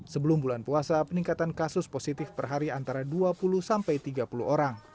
sebelum bulan puasa peningkatan kasus positif per hari antara dua puluh sampai tiga puluh orang